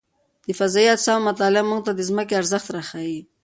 د فضايي اجسامو مطالعه موږ ته د ځمکې ارزښت راښيي.